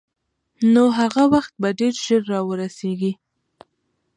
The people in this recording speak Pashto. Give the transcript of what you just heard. نو هغه وخت به ډېر ژر را ورسېږي.